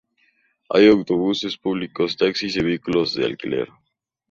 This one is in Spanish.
Hay autobuses públicos, taxis y vehículos de alquiler.